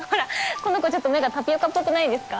この子ちょっと目がタピオカっぽくないですか？